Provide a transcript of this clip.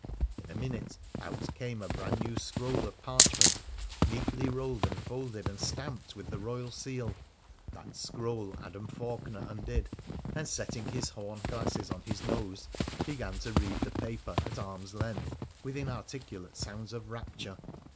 In a minute out came a brand new scroll of parchment, neatly rolled and folded, and stamped with the Eoyal seal. That scroll Adam Faulkener undid, and, setting his horn glasses on his nose, began to read the paper at arm's length with inarticulate sounds of rapture.